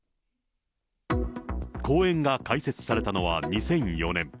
公園が開設されたのは２００４年。